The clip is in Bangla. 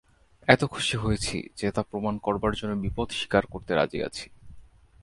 এত খুশি হয়েছি যে তা প্রমাণ করবার জন্য বিপদ স্বীকার করতে রাজি আছি।